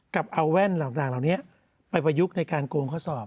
กับเอาแว่นต่างเหล่านี้ไปประยุกต์ในการโกงข้อสอบ